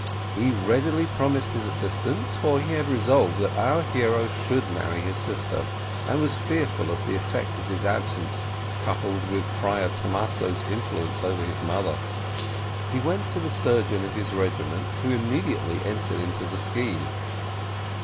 He readily promised his assistance, for he had resolved that our hero should marry his sister, and was fearful of the effect of his absence, coupled with Friar Thomaso's influence over his mother. He went to the surgeon of his regiment, who immediately entered into the scheme.